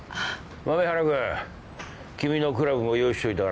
豆原君君のクラブも用意しといたからな。